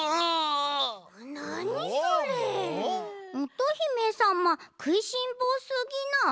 乙姫さまくいしんぼうすぎない？